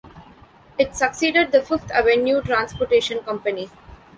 It succeeded the Fifth Avenue Transportation Company.